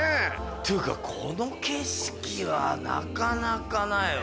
っていうかこの景色はなかなかないわ。